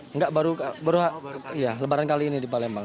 enggak baru lebaran kali ini di palembang